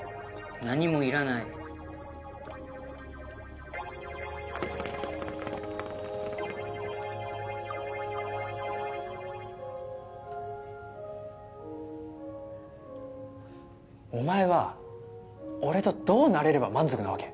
何もいらないお前は俺とどうなれれば満足なわけ？